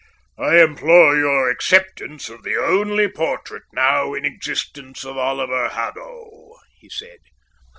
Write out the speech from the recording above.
"I implore your acceptance of the only portrait now in existence of Oliver Haddo," he said.